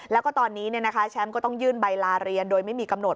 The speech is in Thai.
แล้วก็ตอนนี้แชมป์ก็ต้องยื่นใบลาเรียนโดยไม่มีกำหนด